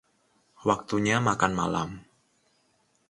Waktunya makan malam.